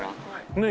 ねえ。